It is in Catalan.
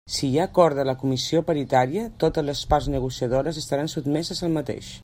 Si hi ha acord de la comissió paritària, totes les parts negociadores estaran sotmeses al mateix.